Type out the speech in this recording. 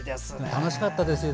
楽しかったですよ